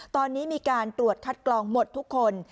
ตอนนี้มีการตรวจคัดกรองหมดทุกคน